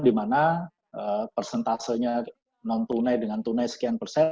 dimana persentasenya non tunai dengan tunai sekian persen